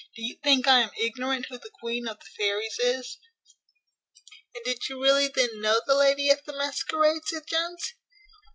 Do you think I am ignorant who the queen of the fairies is?" "And did you really then know the lady at the masquerade?" said Jones.